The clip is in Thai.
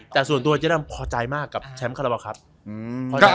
แต่ส่วนตัวเจ๊ดำพอใจมากกับแชมป์คาราบาลครับ